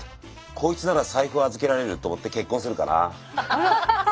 こいつなら財布預けられると思って結婚するかな。